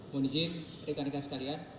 mohon izin rekan rekan sekalian